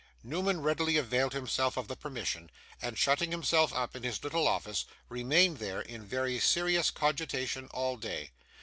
Newman readily availed himself of the permission, and, shutting himself up in his little office, remained there, in very serious cogitation, all day.